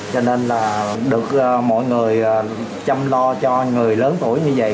cho nên là được mọi người chăm lo cho người lớn tuổi như vậy